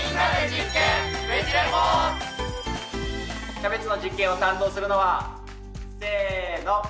キャベツの実験を担当するのはせの！